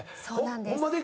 ⁉そうなんです。